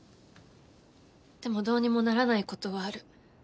でもどうにもならないことはある。